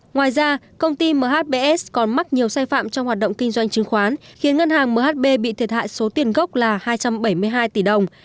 ngoài ra công ty mhbs còn mắc nhiều sai phạm trong hoạt động kinh doanh chứng khoán khiến ngân hàng mhb bị thiệt hại số tiền gốc là hai trăm bảy mươi hai tỷ đồng